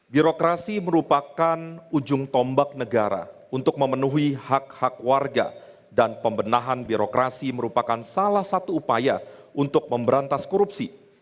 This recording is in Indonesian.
birokrasi merupakan ujung tombak negara untuk memenuhi hak hak warga dan pembenahan birokrasi merupakan salah satu upaya untuk memberantas korupsi